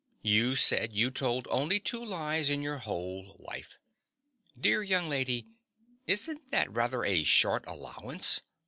You said you'd told only two lies in your whole life. Dear young lady: isn't that rather a short allowance?